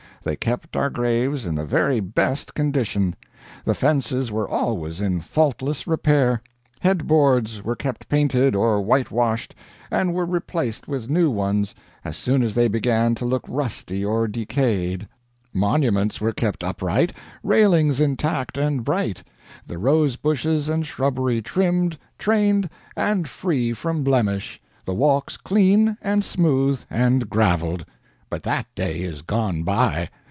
They kept our graves in the very best condition; the fences were always in faultless repair, head boards were kept painted or whitewashed, and were replaced with new ones as soon as they began to look rusty or decayed; monuments were kept upright, railings intact and bright, the rose bushes and shrubbery trimmed, trained, and free from blemish, the walks clean and smooth and graveled. But that day is gone by.